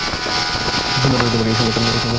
সৈন্যরা এ সমস্ত আহবান বয়ে নিয়ে যায়।